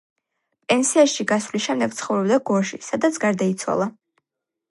პენსიაში გასვლის შემდეგ ცხოვრობდა გორში, სადაც გარდაიცვალა.